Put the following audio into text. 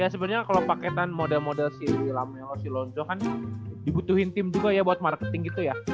ya sebenernya kalo paketan model model si lamelo si lonto kan dibutuhin tim juga ya buat marketing gitu ya